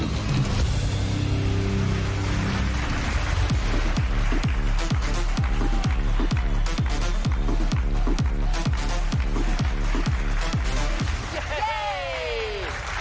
เย้